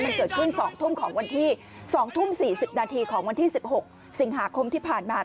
มันเกิดขึ้น๒ทุ่มของวันที่๒ทุ่ม๔๐นาทีของวันที่๑๖สิงหาคมที่ผ่านมา